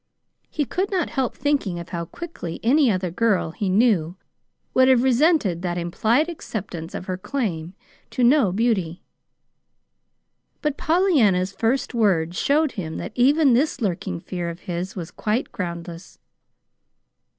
He could not help thinking of how quickly any other girl he knew would have resented that implied acceptance of her claim to no beauty. But Pollyanna's first words showed him that even this lurking fear of his was quite groundless.